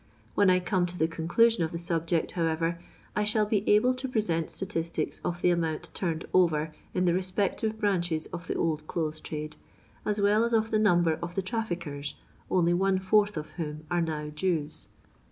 When I come to the conclusion of the subject, however, I shall be able to present statistics of the amount turned over in the respective branches of the old clothes trade, as well as of the number of the traffickers, only one fourth of whom are now Jews.